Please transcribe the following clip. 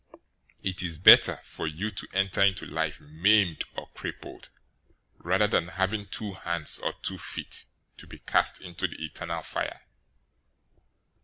It is better for you to enter into life maimed or crippled, rather than having two hands or two feet to be cast into the eternal fire.